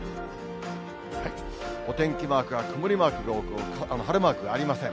お天気マークは曇りマークが多く、晴れマークはありません。